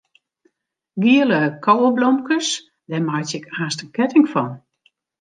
Giele koweblomkes, dêr meitsje ik aanst in ketting fan.